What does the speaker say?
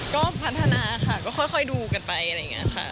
ก็พัฒนาค่ะก็ค่อยดูกันไปอะไรอย่างนี้ค่ะ